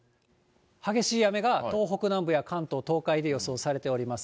激しい雨が東北南部や関東、倒壊で予想されております。